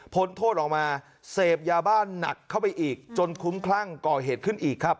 โทษออกมาเสพยาบ้านหนักเข้าไปอีกจนคุ้มคลั่งก่อเหตุขึ้นอีกครับ